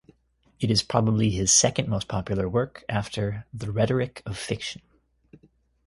It is probably his second most popular work after "The Rhetoric of Fiction".